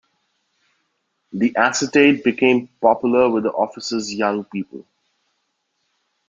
The acetate became popular with the office's young people.